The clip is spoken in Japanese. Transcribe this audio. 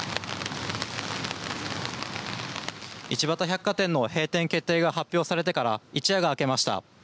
一畑百貨店の閉店決定が発表されてから一夜が明けました。